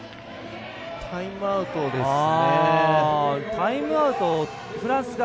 タイムアウトですか？